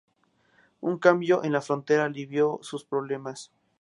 Un cambio en la frontera alivió esos problemas.